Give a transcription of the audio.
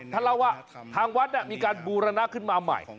เล่าว่าทางวัดมีการบูรณะขึ้นมาใหม่